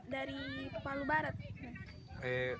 dari palu barat